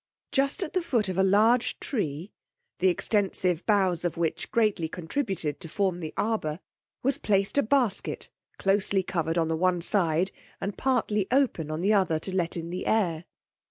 Just at the foot of a large tree, the extensive boughs of which greatly contributed to form the arbour, was placed a basket closely covered on the one side, and partly open on the other to let in the air.